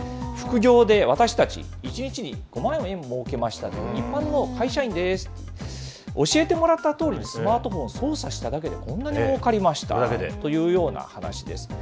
副業で私たち、１日に５万円もうけましたと、一般の会社員です、教えてもらったとおりにスマホを操作しただけでこんなにもうかりましたというような話です。